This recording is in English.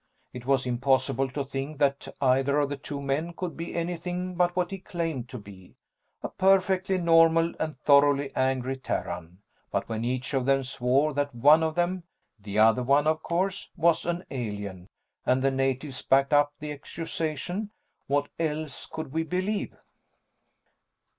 It was impossible to think that either of the two men could be anything but what he claimed to be, a perfectly normal and thoroughly angry Terran; but when each of them swore that one of them the other one, of course was an alien, and the natives backed up the accusation, what else could we believe?